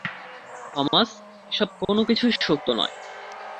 Thomas, এসব কোনকিছুই সত্য নয়!